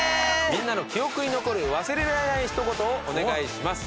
みんなの記憶に残る忘れられない一言をお願いします。